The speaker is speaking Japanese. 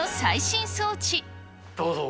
どうぞ。